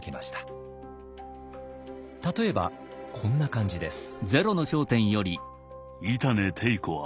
例えばこんな感じです。